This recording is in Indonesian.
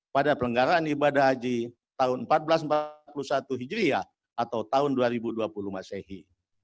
pemerintah menyiapkan tiga opsi terkait penyelenggaran haji pada tahun seribu empat ratus empat puluh satu hijriah atau tahun dua ribu dua puluh masehi